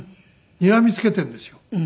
にらみつけてるんですよ。